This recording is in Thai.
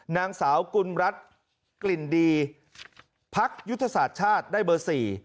นางสาวกุลรัฐกลิ่นดีพักยุทธศาสตร์ชาติได้เบอร์๔